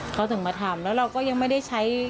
เขาถึงมาทำแล้วเราก็ยังไม่ได้ใช้